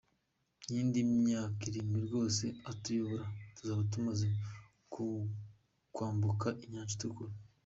Iyindi myaka irindwi rwose atuyobore tuzaba tumaze kwambuka inyanja itukura.